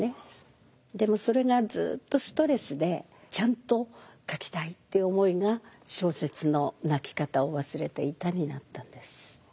でもそれがずっとストレスでちゃんと書きたいっていう思いが小説の「泣きかたをわすれていた」になったんです。